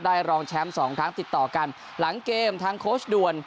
รองแชมป์สองครั้งติดต่อกันหลังเกมทางโค้ชด่วน